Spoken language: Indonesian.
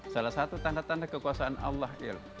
salah satu tanda tanda kekuasaan allah